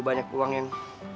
banyak uang yang